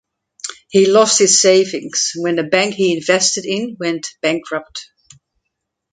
He lost his savings when the bank he invested in went bankrupt.